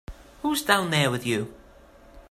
Who's down there with you?